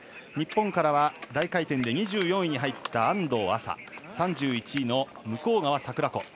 日本からは大回転で２４位に入った安藤麻３１位の向川桜子。